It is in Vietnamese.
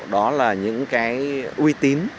đó là những cái uy tín